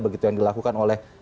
begitu yang dilakukan oleh